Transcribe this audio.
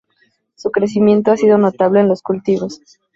Su crecimiento ha sido notable en los cultivos.